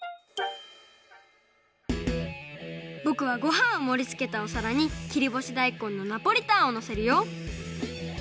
ぼくはごはんをもりつけたおさらに切りぼしだいこんのナポリタンをのせるよ。